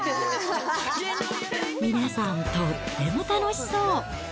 皆さん、とっても楽しそう。